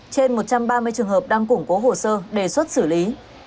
trên một trăm ba mươi trường hợp đang củng cố hồ sơ đề xuất xử lý